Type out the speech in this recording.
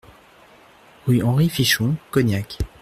Rue Henri Fichon, Cognac